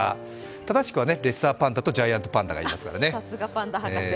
正しくはレッサーパンダとジャイアントパンダがいますからね。